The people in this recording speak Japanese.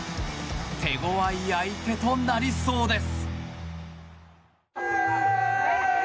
手ごわい相手となりそうです。